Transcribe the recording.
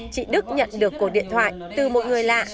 chị đức nhận được cuộc điện thoại từ một người lạ